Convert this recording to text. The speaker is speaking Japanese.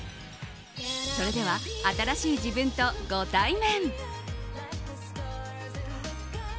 それでは、新しい自分とご対面。